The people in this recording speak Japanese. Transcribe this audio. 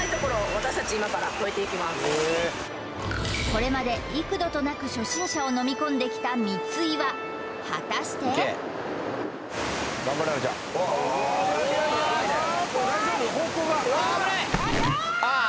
これまで幾度となく初心者をのみ込んできた三ツ岩果たしてあったー！